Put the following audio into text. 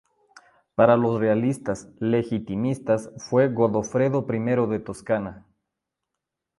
Para los realistas legitimistas fue Godofredo I de Toscana.